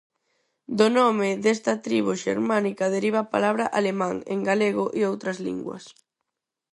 Do nome desta tribo xermánica deriva a palabra "alemán" en galego e outras linguas.